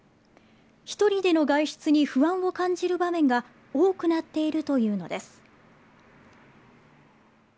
１人での外出に不安を感じる場面が多くなっているというのです。